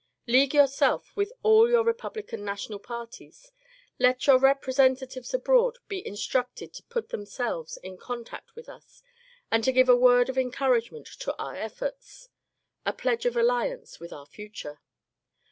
League yourselves with all our republican national parties. Let your representatives abroad be instructed to put them selves in contact with us and to give a word of encourage ment to our efforts, a pledge of alliance with our future.